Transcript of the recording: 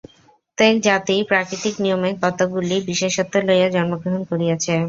প্রত্যেক জাতিই প্রাকৃতিক নিয়মে কতকগুলি বিশেষত্ব লইয়া জন্মগ্রহণ করিয়াছে।